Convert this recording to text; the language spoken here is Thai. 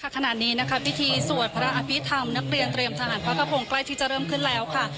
ขณะนี้นะคะพิธีสวดพระอภิษฐรรมนักเรียนเตรียมทหารพระกระพงศ์ใกล้ที่จะเริ่มขึ้นแล้วค่ะ